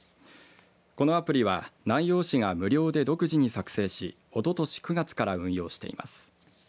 このアプリは南陽市が無料で独自に作成しおととし９月から運用しています。